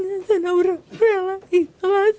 saya sudah berhela